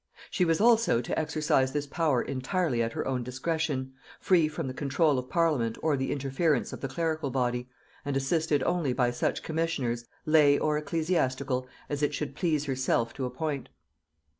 She was also to exercise this power entirely at her own discretion, free from the control of parliament or the interference of the clerical body, and assisted only by such commissioners, lay or ecclesiastical, as it should please herself to appoint.